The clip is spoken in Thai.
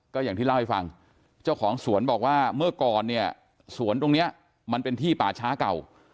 ก็อย่างที่เล่าให้ฟังเจ้าของสวนบอกว่าเมื่อก่อนเนี่ยสวนตรงนี้มันเป็นที่ป่าช้าเก่า